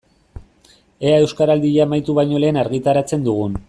Ea Euskaraldia amaitu baino lehen argitaratzen dugun.